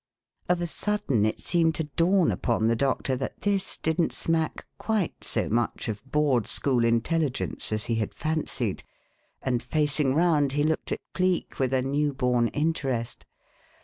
Of a sudden it seemed to dawn upon the doctor that this didn't smack quite so much of Board School intelligence as he had fancied, and, facing round, he looked at Cleek with a new born interest.